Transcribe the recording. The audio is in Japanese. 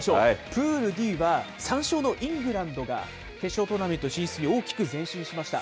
プールＤは３勝のイングランドが決勝トーナメント進出に大きく前進しました。